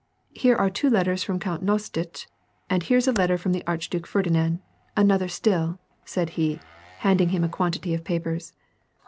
Here are two letters from Count Nostitz, and here's a letter from the Archduke Ferdinand, — another still," said he, handing him a quantity of papers.